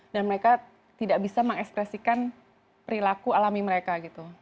dan mereka tidak bisa mengekspresikan perilaku alami mereka gitu